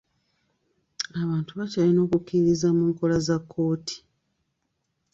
Abantu bakyalina okukiririza mu nkola za kkooti.